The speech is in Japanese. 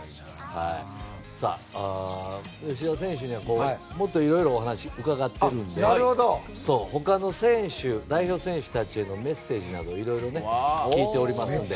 吉田選手にはもっと色々お話を伺っているのでほかの選手、代表選手たちへのメッセージなど色々聞いておりますので。